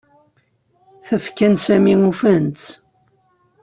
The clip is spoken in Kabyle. Tafekka n Sami ufan-tt.